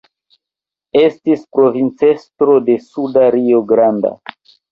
Estis provincestro de Suda Rio-Grando.